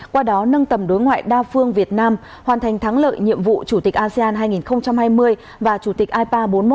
qua đó nâng tầm đối ngoại đa phương việt nam hoàn thành thắng lợi nhiệm vụ chủ tịch asean hai nghìn hai mươi và chủ tịch ipa bốn mươi một